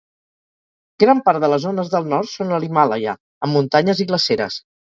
Gran part de les zones del nord són a l'Himàlaia amb muntanyes i glaceres.